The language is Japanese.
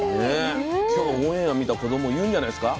今日オンエアを見た子供言うんじゃないですか？